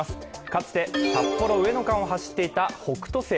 かつて札幌ー上野を走っていた「北斗星」。